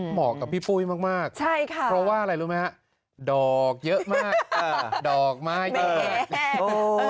เหมาะกับพี่ปุ้ยมากใช่ค่ะเพราะว่าอะไรรู้ไหมฮะดอกเยอะมากดอกไม้เยอะ